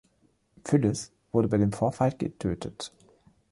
Phyllis wurde bei dem Vorfall getötet.